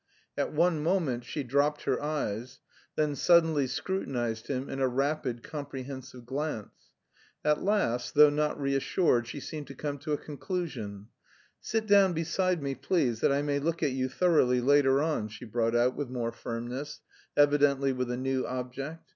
At one moment she dropped her eyes, then suddenly scrutinised him in a rapid comprehensive glance. At last, though not reassured, she seemed to come to a conclusion. "Sit down beside me, please, that I may look at you thoroughly later on," she brought out with more firmness, evidently with a new object.